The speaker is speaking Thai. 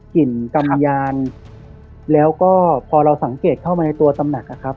กลิ่นกำยานแล้วก็พอเราสังเกตเข้ามาในตัวตำหนักอะครับ